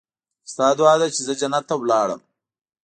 ستا دعا ده چې زه جنت ته لاړم.